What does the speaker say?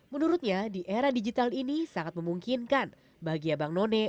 menurutnya di era digital ini sangat memungkinkan bagi abang none